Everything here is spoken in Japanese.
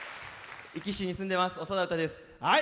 壱岐市に住んでますおさだです。